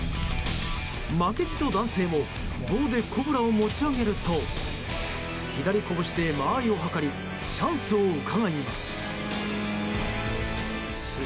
負けじと男性も棒でコブラを持ち上げると左こぶしで間合いをはかりチャンスを伺います。